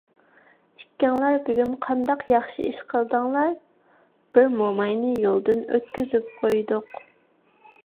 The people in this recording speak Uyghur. ئىككىڭلار بۈگۈن قانداق ياخشى ئىش قىلدىڭلار؟ بىر موماينى يولدىن ئۆتكۈزۈپ قويدۇق.